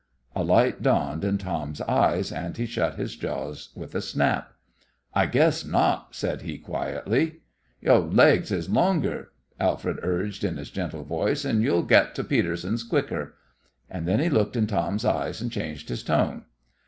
A light dawned in Tom's eyes, and he shut his jaws with a snap. "I guess not!" said he, quietly. "Yo' laigs is longer," Alfred urged, in his gentle voice, "and yo'll get to Peterson's quicker;" and then he looked in Tom's eyes and changed his tone.